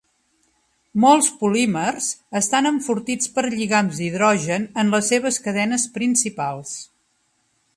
Molts polímers estan enfortits per lligams d'hidrogen en les seves cadenes principals.